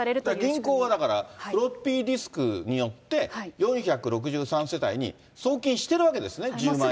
銀行はだから、フロッピーディスクによって、４６３世帯に送金してるわけですね、１０万円ずつ。